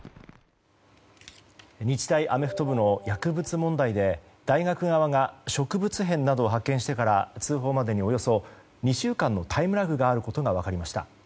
日大アメフト部の薬物問題で大学側が植物片などを発見してから通報までにおよそ２週間のタイムラグがあることが分かりました。